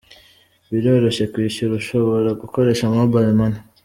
Biroroshye, kwishyura ushobora gukoresha Mobile Money.